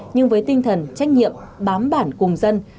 nhưng với tinh thần trách nhiệm bám bản cùng dân